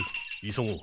急ごう。